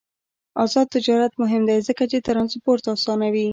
آزاد تجارت مهم دی ځکه چې ترانسپورت اسانوي.